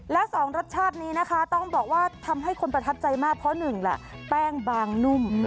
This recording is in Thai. และสองรสชาตินี้นะคะต้องบอกว่าทำให้คนประทับใจมากเพราะหนึ่งแหละแป้งบางนุ่ม